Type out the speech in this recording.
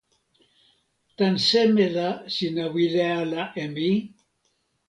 tan seme la sina wile ala e mi?